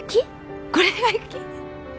これが雪？